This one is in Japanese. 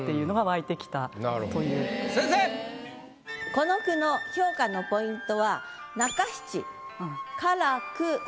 この句の評価のポイントは中七「鹹く」